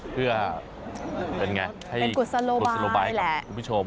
เพื่อเป็นไงเป็นกุศลบายแหละคุณผู้ชม